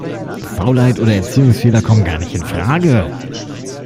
Faulheit oder Erziehungsfehler kommen gar nicht infrage.